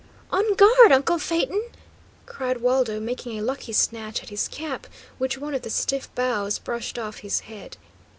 "On guard, uncle Phaeton!" cried Waldo, making a lucky snatch at his cap, which one of the stiff boughs brushed off his head.